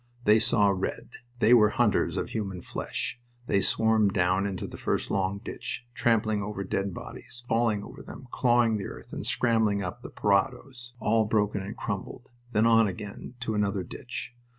They saw red. They were hunters of human flesh. They swarmed down into the first long ditch, trampling over dead bodies, falling over them, clawing the earth and scrambling up the parados, all broken and crumbled, then on again to another ditch.